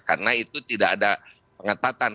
karena itu tidak ada pengetatan